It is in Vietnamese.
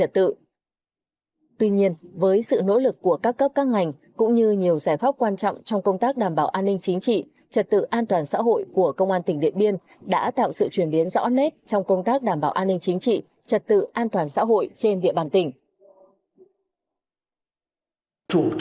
tuy nhiên với sự nỗ lực của các cấp các ngành cũng như nhiều giải pháp quan trọng trong công tác đảm bảo an ninh chính trị trật tự an toàn xã hội của công an tỉnh điện biên đã tạo sự chuyển biến rõ nét trong công tác đảm bảo an ninh chính trị trật tự an toàn xã hội trên địa bàn tỉnh